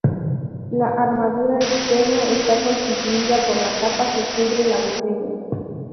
La armadura externa está constituida por la capa que cubre la botella.